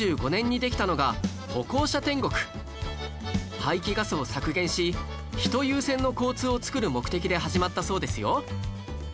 排気ガスを削減し人優先の交通を作る目的で始まったそうですよ